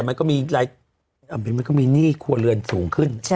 ไม่แต่มันก็มีคัวเรือนสูงขึ้น